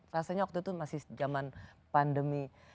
rasanya waktu itu masih zaman pandemi